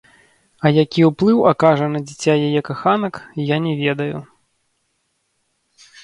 А які ўплыў акажа на дзіця яе каханак, я не ведаю.